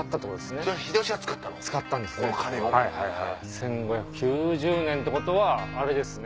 １５９０年ってことはあれですね